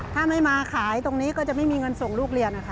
ถ้าไม่มาขายตรงนี้ก็จะไม่มีเงินส่งลูกเรียนนะคะ